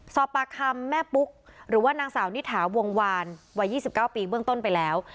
สอบปากคำแม่ปุ๊กหรือว่านางสาวนิถาวงวานวัย๒๙ปีเบื้องต้นไปแล้ว